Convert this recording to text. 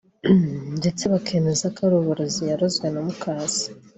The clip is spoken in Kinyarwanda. ndetse bakemeza ko ari uburozi yarozwe na muka se